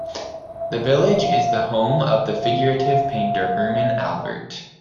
The village is the home of the figurative painter Hermann Albert.